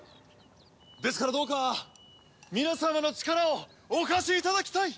ですからどうか皆様の力をお貸しいただきたい！